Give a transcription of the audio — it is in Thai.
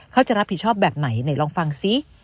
เขาจะรับผิดชอบแบบไหนไหนลองฟังซิ